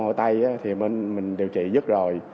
một tay thì mình điều trị dứt rồi